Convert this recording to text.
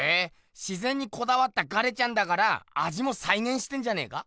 自ぜんにこだわったガレちゃんだからあじもさいげんしてんじゃねえか？